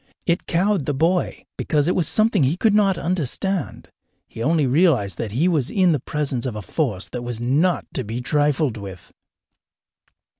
It cowed the boy, because it was something he could not understand. He only realized that he was in the presence of a force that was not to be trifled with.